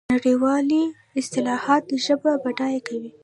نړیوالې اصطلاحات ژبه بډایه کوي.